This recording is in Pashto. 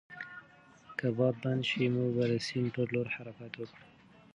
که باد بند شي، موږ به د سیند پر لور حرکت وکړو.